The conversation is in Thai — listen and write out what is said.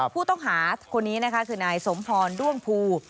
ผู้ต้องหาคนนี้นะคะคือนายสมพรด้วงภู